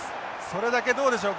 それだけどうでしょう